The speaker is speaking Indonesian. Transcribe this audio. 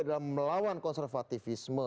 dalam melawan konservativisme